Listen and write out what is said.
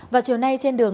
cảm ơn các bạn đã theo dõi